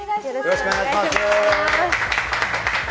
よろしくお願いします。